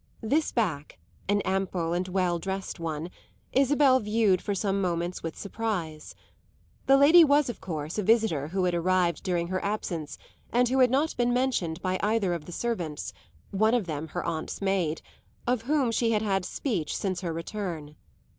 This back an ample and well dressed one Isabel viewed for some moments with surprise. The lady was of course a visitor who had arrived during her absence and who had not been mentioned by either of the servants one of them her aunt's maid of whom she had had speech since her return.